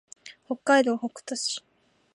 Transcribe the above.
北海道北斗市